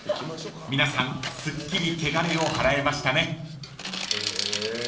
［皆さんすっきり穢れを祓えましたね］